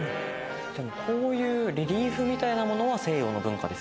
こういうレリーフみたいな物は西洋の文化ですよね。